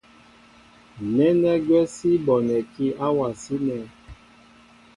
Nɛ́nɛ́ gwɛ́ sí bonɛkí áwasí nɛ̄.